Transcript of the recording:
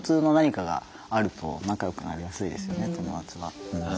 友達は。